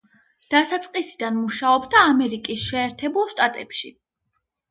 დასაწყისიდან მუშაობდა ამერიკის შეერთებულ შტატებში.